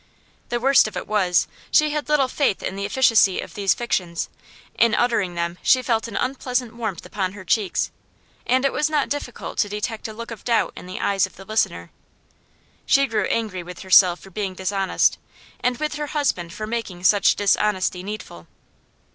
The worst of it was, she had little faith in the efficacy of these fictions; in uttering them she felt an unpleasant warmth upon her cheeks, and it was not difficult to detect a look of doubt in the eyes of the listener. She grew angry with herself for being dishonest, and with her husband for making such dishonesty needful.